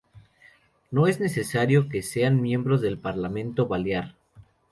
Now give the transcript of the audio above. No es necesario que sean miembros del Parlamento Balear.